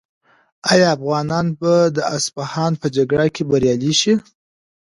آیا افغانان به د اصفهان په جګړه کې بریالي شي؟